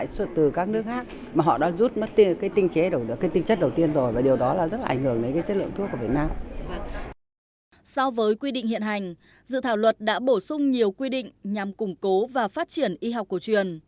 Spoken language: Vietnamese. so với quy định hiện hành dự thảo luật đã bổ sung nhiều quy định nhằm củng cố và phát triển y học cổ truyền